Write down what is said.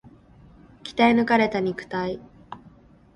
鍛え抜かれた肉体